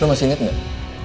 lo masih inget gak